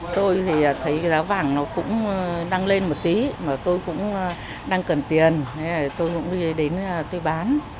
tôi thì thấy giá vàng nó cũng đang lên một tí mà tôi cũng đang cần tiền tôi cũng đi đến tôi bán